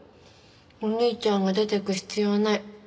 お兄ちゃんが出ていく必要ない。